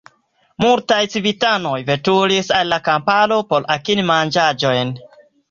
Multaj civitanoj veturis al la kamparo por akiri manĝaĵojn.